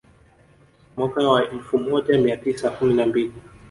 Mwaka wa elfu moja mia tisa kumi na mbili